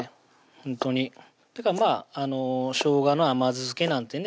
ほんとにだからしょうがの甘酢漬けなんてね